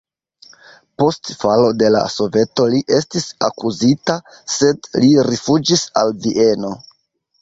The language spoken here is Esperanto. Post falo de la Soveto li estis akuzita, sed li rifuĝis al Vieno.